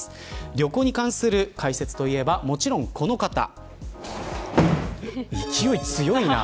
旅行に関する解説といえばもちろんこの方勢い強いな。